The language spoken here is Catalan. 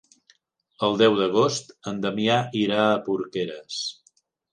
El deu d'agost en Damià irà a Porqueres.